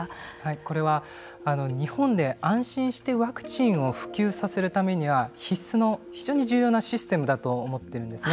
これは日本で安心してワクチンを普及させるためには必須の非常に重要なシステムだと思ってるんですね。